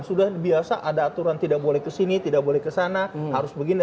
sudah biasa ada aturan tidak boleh ke sini tidak boleh ke sana harus begini harus begini